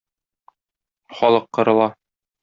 Халык кырыла.